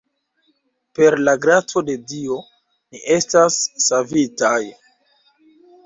Per la graco de Dio, ni estas savitaj.